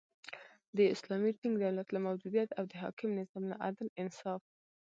د یو اسلامی ټینګ دولت له موجودیت او د حاکم نظام له عدل، انصاف